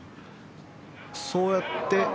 そうやって。